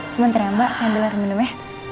sebentar ya mbak saya ambil air minum ya